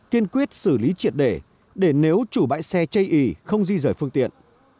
kiên quyết xử lý triệt để để nếu chủ bãi xe chây ý không di rời phương tiện